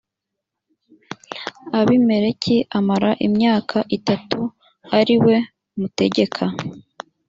abimeleki amara imyaka itatu ari we mutegeka